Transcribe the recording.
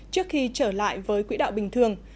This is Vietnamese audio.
trước khi trở lại với quỹ đạo bình thường